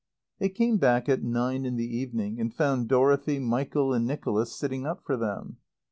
They came back at nine in the evening and found Dorothy, Michael and Nicholas sitting up for them.